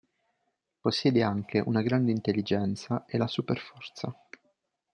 Possiede anche una grande intelligenza e la super forza.